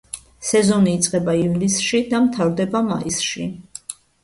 სეზონი იწყება ივლისში და მთავრდება მაისში.